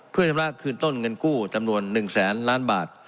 เพื่อชำระคืนต้นเงินกู้จำนวน๑แสนล้านบาท